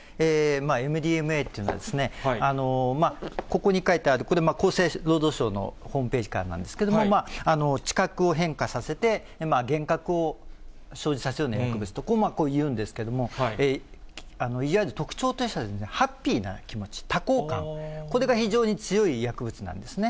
ＭＤＭＡというのは、ここに書いてある、これ、厚生労働省のホームページからなんですけれども、知覚を変化させて、幻覚を生じさせるような薬物と、こういうんですけれども、いわゆる特徴としては、ハッピーな気持ち、多幸感、これが非常に強い薬物なんですね。